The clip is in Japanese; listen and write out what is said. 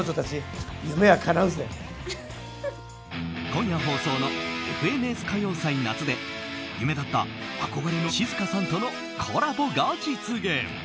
今夜放送の「ＦＮＳ歌謡祭夏」で夢だった憧れの静香さんとのコラボが実現。